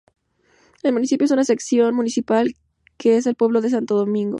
El municipio en una sección municipal que es el pueblo de Santo Domingo.